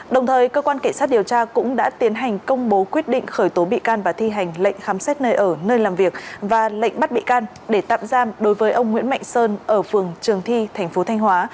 đồng thời cơ quan cảnh sát điều tra cũng đã tiến hành công bố quyết định khởi tố bị can và thi hành lệnh khám xét nơi ở nơi làm việc và lệnh bắt bị can để tạm giam đối với ông nguyễn mạnh sơn ở phường trường thi tp thanh hóa